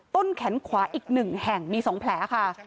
ต้นแขนขวาอีก๑แห่งมี๒แผลค่ะ